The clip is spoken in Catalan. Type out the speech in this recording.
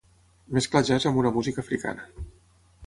Mesclar jazz amb una música africana.